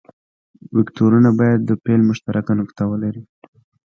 وکتورونه باید د پیل مشترکه نقطه ولري.